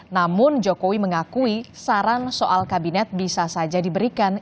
namun jokowi mengakui saran soal kabinet bisa saja diberikan